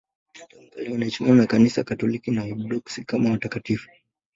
Tangu kale wanaheshimiwa na Kanisa Katoliki na Waorthodoksi kama watakatifu.